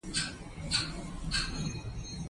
زموږ غرونه د نښترو په ونو ښکلي دي.